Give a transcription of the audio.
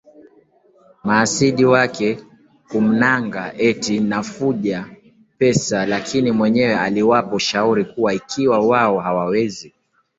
mahasidi wake kumnanga eti nafuja pesa Lakini mwenyewe aliwapa ushauri kuwa ikiwa wao hawawezi